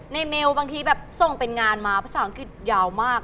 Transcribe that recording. เมลบางทีแบบส่งเป็นงานมาภาษาอังกฤษยาวมาก